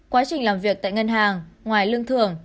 quá trình làm việc tại ngân hàng ngoài lương thưởng